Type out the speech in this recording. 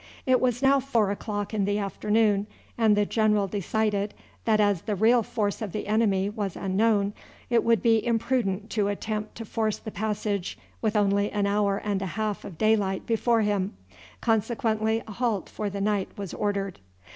It was now four o'clock in the afternoon, and the general decided that as the real force of the enemy was unknown it would be imprudent to attempt to force the passage with only an hour and a half of daylight before him, consequently a halt for the night was ordered.